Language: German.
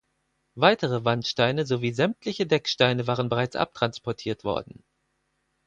Weitere Wandsteine sowie sämtliche Decksteine waren bereits abtransportiert worden.